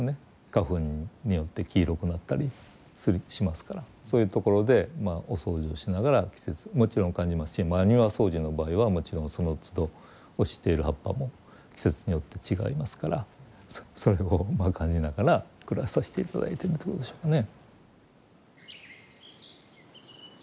花粉によって黄色くなったりしますからそういうところでお掃除をしながら季節をもちろん感じますし庭掃除の場合はもちろんそのつど落ちている葉っぱも季節によって違いますからそれを感じながら暮らさせて頂いてるということでしょうかね。